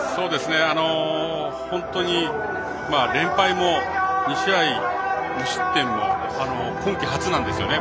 本当に連敗も２試合２失点も今季初なんですよね。